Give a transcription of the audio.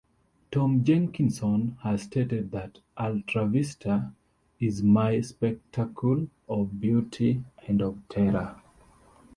Tom Jenkinson has stated that Ultravisitor is my spectacle of beauty and of terror.